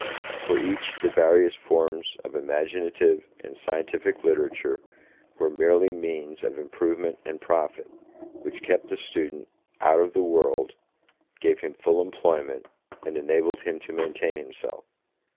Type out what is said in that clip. For each the various forms of imaginative and scientific literature were merely means of improvement and profit, which kept the student 'out of the world', gave him full employment, and enabled him to maintain himself.